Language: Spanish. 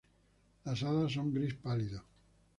Las alas son gris pálido.